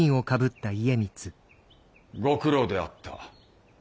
ご苦労であった。